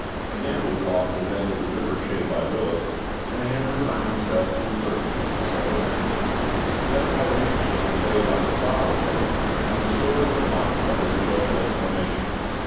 Again it was lost at a bend of the river shaded by willows, and they had to resign themselves to incertitude for several minutes. Then a white handkerchief was waved on the prow of the boat, and Monsieur de Lamotte uttered a joyful exclamation.